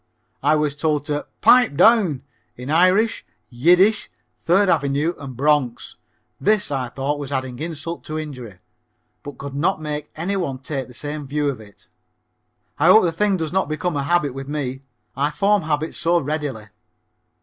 I was told to "pipe down" in Irish, Yiddish, Third Avenue and Bronx. This, I thought, was adding insult to injury, but could not make any one take the same view of it. I hope the thing does not become a habit with me. I form habits so readily.